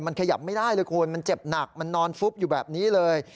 มันขยับไม่ได้เลยคุณมันเจ็บหนักมันนอนฟุบอยู่แบบนี้เลย